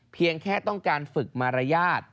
เพียงแค่ต้องการฝึกมารยาท